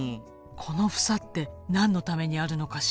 このふさって何のためにあるのかしらって思って。